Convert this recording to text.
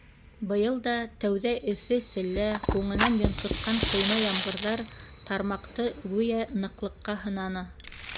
Быйыл да тәүҙә эҫе селлә, һуңынан йонсотҡан ҡойма ямғырҙар тармаҡты, гүйә, ныҡлыҡҡа һынаны.